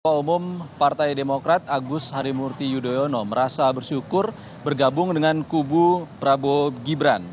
ketua umum partai demokrat agus harimurti yudhoyono merasa bersyukur bergabung dengan kubu prabowo gibran